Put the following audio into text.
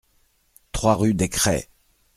trois rue des Crais